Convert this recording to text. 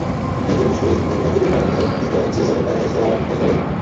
Nedělní školy vznikly ve Velké Británii jako reakce na zanedbané vzdělávání prostého lidu.